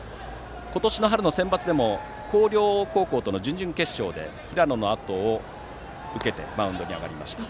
今年の春のセンバツでも広陵高校との準々決勝で平野のあとを受けてマウンドに上がりました。